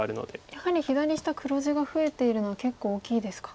やはり左下黒地が増えているのは結構大きいですか。